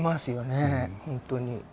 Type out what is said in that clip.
本当に。